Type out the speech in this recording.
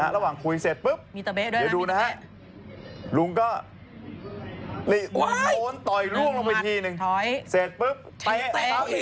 ระหว่างคุยเสร็จปุ๊บเดี๋ยวดูนะฮะลุงก็โดนต่อยล่วงลงไปทีนึงเสร็จปุ๊บตะเอะตะเอะตะเอะอีกที